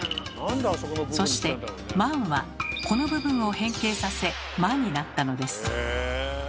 そして「万」はこの部分を変形させ「マ」になったのです。